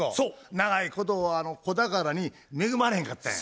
長いこと子宝に恵まれへんかったんや。